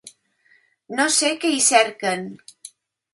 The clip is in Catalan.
No sé què hi cerquen